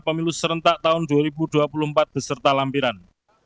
pemilu serentak tahun dua ribu dua puluh empat beserta lampiran